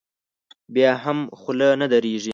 بیا هم خوله نه درېږي.